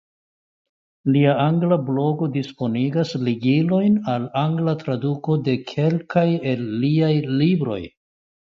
Lia angla blogo disponigas ligilojn al angla traduko de kelkaj el liaj libroj.